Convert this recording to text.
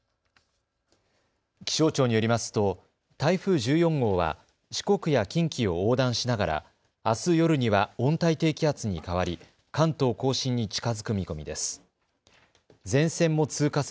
気象庁によりますと台風１４号は四国や近畿を横断しながらあす夜には温帯低気圧に変わり関東甲信に近づく見込みです。